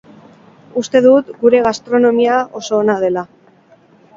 Uste dut gure gastronomia oso ona dela.